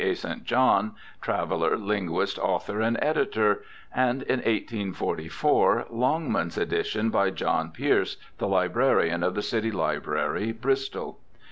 A. St. John, 'traveller, linguist, author, and editor,' and in 1844 Longmans' edition by John Peace, the librarian of the City Library, Bristol.